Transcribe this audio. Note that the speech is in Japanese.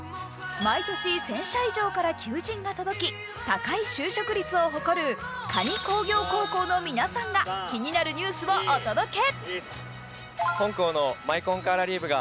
毎年１０００社以上から求人が届き高い就職率を誇る可児工業高校の皆さんが気になるニュースをお届け。